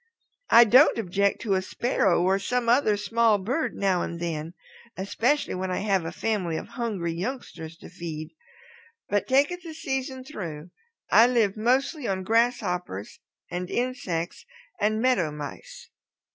I don't object to a Sparrow or some other small bird now and then, especially when I have a family of hungry youngsters to feed. But take it the season through, I live mostly on grasshoppers and insects and Meadow Mice.